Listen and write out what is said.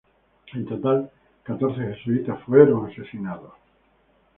En total catorce jesuitas fueron asesinados.